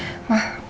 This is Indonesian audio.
terima kasih pak